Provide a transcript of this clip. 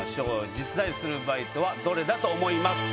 実在するバイトはどれだと思いますか？